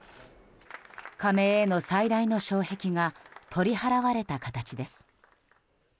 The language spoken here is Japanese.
加盟への最大の障壁が取り払われた形です。